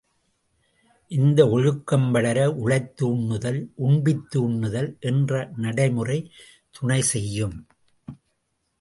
இந்த ஒழுக்கம் வளர, உழைத்து உண்ணுதல், உண்பித்து உண்ணுதல் என்ற நடைமுறை துணை செய்யும்.